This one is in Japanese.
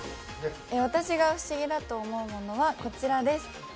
私が不思議だと思うものはこちらです。